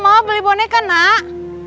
mau beli boneka nak